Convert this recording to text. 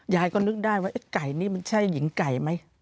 ยายก็นึกได้ว่าไอ้ไก่นี่มันใช่หญิงไก่ไหม